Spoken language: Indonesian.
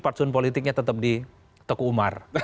partsun politiknya tetap di teku umar